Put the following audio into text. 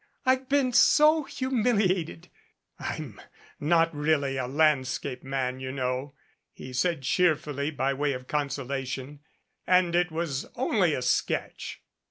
I've been so humiliated " "I'm not really a landscape man, you know," he said cheerfully by way of consolation, "and it was only a sketch."